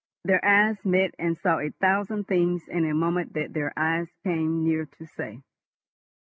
Their eyes met and saw a thousand things in a moment that their eyes came near to say.